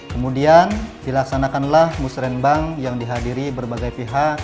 kemudian dilaksanakanlah musrembang yang dihadiri berbagai pihak